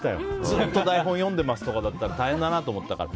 ずっと台本読んでますとかだと大変だなと思ったから。